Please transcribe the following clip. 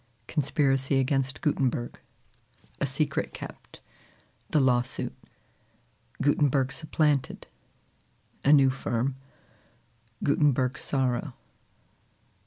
Conspiracy against Gutenberg. A Secret kept. The Lawsuit. Gutenberg supplanted. A New Firm. Gutenberg's Sorrow.